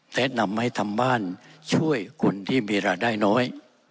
แนะนำให้ทำบ้านช่วยคนที่มีรายได้น้อย